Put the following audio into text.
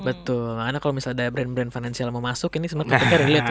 betul karena kalau misalnya ada brand brand financial mau masuk ini sebenarnya ternyata relate loh